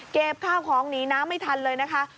ข้าวของหนีน้ำไม่ทันเลยนะคะ